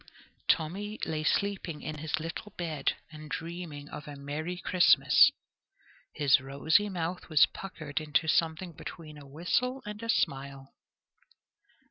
Tommy lay sleeping in his little bed and dreaming of a merry Christmas. His rosy mouth was puckered into something between a whistle and a smile.